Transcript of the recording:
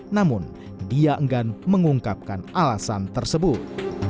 namun dia enggan mengungkapkan alasan tersebut